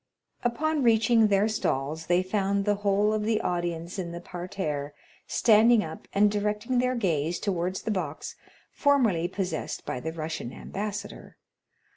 Upon reaching their stalls, they found the whole of the audience in the parterre standing up and directing their gaze towards the box formerly possessed by the Russian ambassador.